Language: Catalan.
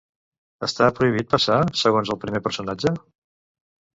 Està prohibit passar, segons el primer personatge?